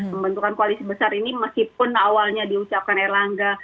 pembentukan koalisi besar ini meskipun awalnya diucapkan erlangga